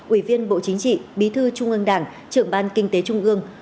ủy viên bộ chính trị bí thư trung ương đảng trưởng ban kinh tế trung ương